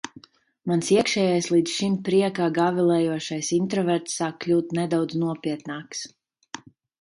Mans iekšējais, līdz šim priekā gavilējošais introverts sāk kļūt nedaudz nopietnāks.